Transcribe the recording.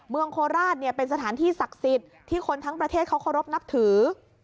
โคราชเนี่ยเป็นสถานที่ศักดิ์สิทธิ์ที่คนทั้งประเทศเขาเคารพนับถือ